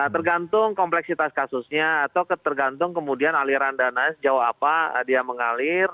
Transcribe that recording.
tergantung kompleksitas kasusnya atau tergantung kemudian aliran dananya sejauh apa dia mengalir